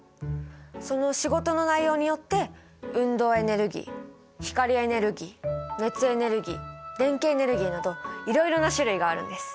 その仕事の内容によって運動エネルギー光エネルギー熱エネルギー電気エネルギーなどいろいろな種類があるんです。